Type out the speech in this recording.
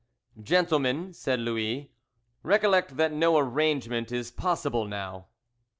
"Gentlemen," said Louis, "recollect that no arrangement is possible now."